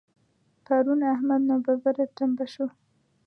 پرون احمد ناببره ټمبه شو.